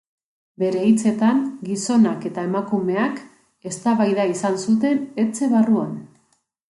Bere hitzetan, gizonak eta emakumeak eztabaida izan zuten etxe barruan.